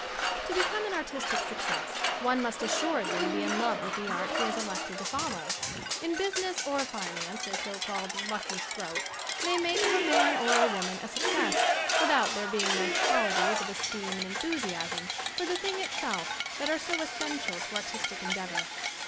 To BECOME an artistic success one must as suredly be in love with the art he has elected to follow. In business or finance a so called lucky stroke may make of a man or a woman a success without there being those qualities of esteem and enthusiasm for the thing itself that are so essential to artistic endeavor.